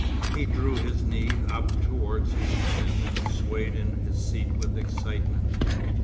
He drew his knee up towards his chin and swayed in his seat with excitement.